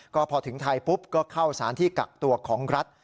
ก็พอถึงไทยปุ๊บก็เข้าสารที่กักตัวของรัฐ